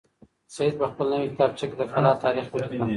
سعید په خپله نوې کتابچه کې د کلا تاریخ ولیکه.